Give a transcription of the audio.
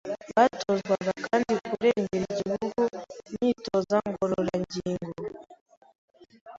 Batozwaga kandi kurengera Igihugu, imyitozo ngororangingo,